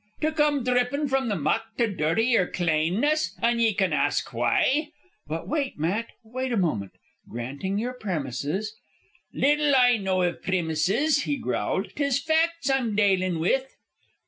"To come drippin' from the muck to dirty yer claneness! An' ye can ask why?" "But wait, Matt, wait a moment. Granting your premises " "Little I know iv primises," he growled. "'Tis facts I'm dalin' with."